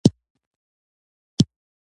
غوماشې د شاتو او میوو بوی ته راځي.